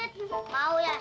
minta makasih buddh